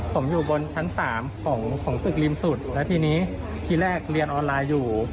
ผมอยู่บนชั้น๓ของตึกริมสุดแล้วทีนี้ทีแรกเรียนออนไลน์อยู่